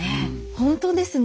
本当ですね。